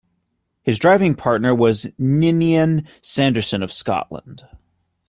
His driving partner was Ninian Sanderson of Scotland.